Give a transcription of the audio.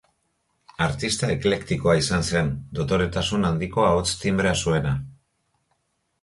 Artista eklektikoa izan zen, dotoretasun handiko ahots-tinbrea zuena.